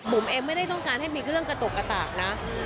ผมเองไม่ได้ต้องการให้มีเครื่องกระตุกกระตากนะ